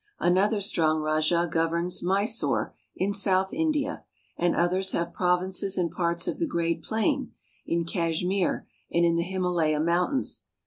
Another strong rajah governs Mysore in south India, and others have provinces in parts of the great plain, in Kashmir, and in the Himalaya Mountains.